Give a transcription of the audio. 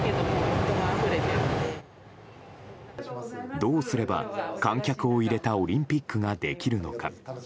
どうすれば観客を入れたオリンピックができるのか。